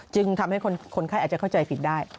จึงทำให้คนไข้อาจจะเข้าใจผิดได้